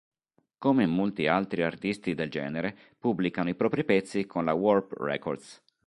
Come molti altri artisti del genere pubblicano i propri pezzi con la Warp Records.